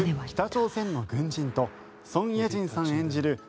北朝鮮の軍人とソン・イェジンさん演じる